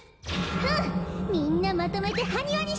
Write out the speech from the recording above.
ふんみんなまとめてハニワにしてやる！